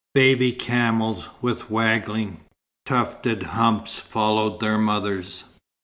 Baby camels with waggling, tufted humps followed their mothers.